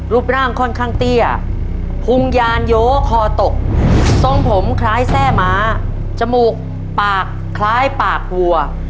รูปร่างค่อนข้างเตี้ยพุงยานโยคอตกทรงผมคล้ายแทร่ม้าจมูกปากคล้ายปากวัว